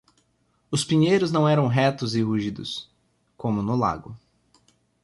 Os pinheiros não eram retos e rugidos, como no lago.